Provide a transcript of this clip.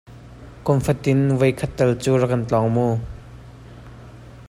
Kumfatin voikhat tal cu ra ka tlawng mu.